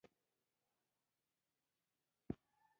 د بورډو مکسچر څنګه جوړ کړم؟